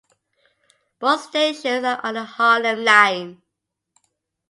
Both stations are on the Harlem Line.